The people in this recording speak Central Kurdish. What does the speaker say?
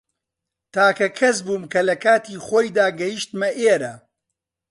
تاکە کەس بووم کە لە کاتی خۆیدا گەیشتمە ئێرە.